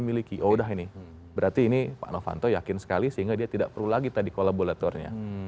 miliki oh udah ini berarti ini pak novanto yakin sekali sehingga dia tidak perlu lagi tadi kolaboratornya